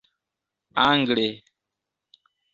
angle